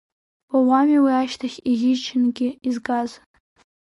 Уа уами уи ашьҭахь иӷьычнгьы изгаз?!